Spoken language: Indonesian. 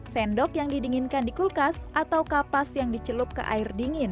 sendok yang didinginkan di kulkas atau kapas yang dicelup ke air dingin